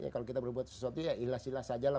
kalau kita baru buat sesuatu ya ikhlas ikhlas saja lah